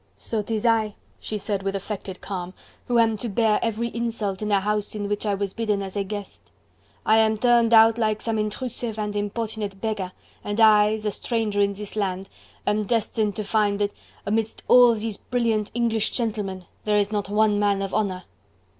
"So 'tis I," she said with affected calm, "who am to bear every insult in a house in which I was bidden as a guest. I am turned out like some intrusive and importunate beggar, and I, the stranger in this land, am destined to find that amidst all these brilliant English gentlemen there is not one man of honour.